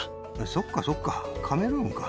そっかそっかカメルーンか。